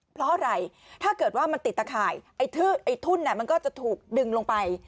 เพราะอะไรถ้าเกิดว่ามันติดตะข่ายทุ่นมันก็จะถูกดึงลงไป